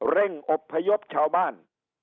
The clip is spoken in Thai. อบพยพชาวบ้าน